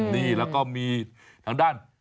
นี่แล้วก็มีทางด้าน